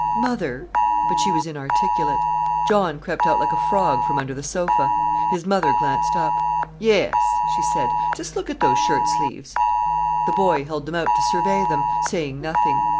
"Mother!"—but she was inarticulate. John crept out like a frog from under the sofa. His mother glanced up. "Yes," she said, "just look at those shirt sleeves!" The boy held them out to survey them, saying nothing.